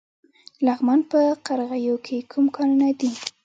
د لغمان په قرغیو کې کوم کانونه دي؟